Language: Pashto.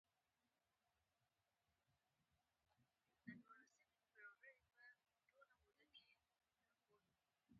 د سوداګرۍ پر وړاندې شته ستونزې به له منځه ولاړې شي.